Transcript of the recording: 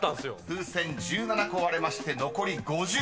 ［風船１７個割れまして残り５０です］